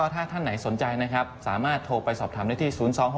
ถ้าท่านไหนสนใจสามารถโทรไปสอบถามในที่๐๒๖๑๘๑๑๑๑